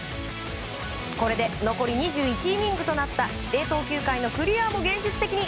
これで残り２１イニングとなった規定投球回のクリアも現実的に。